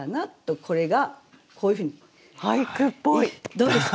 どうですか？